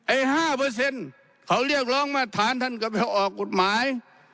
๕เขาเรียกร้องมาตรฐานท่านก็ไปออกกฎหมาย